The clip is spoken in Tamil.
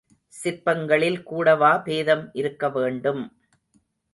சிற்பங்களில் கூடவா பேதம் இருக்க வேண்டும்.